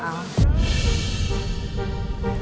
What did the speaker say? kamu kan udah nikah ya sama al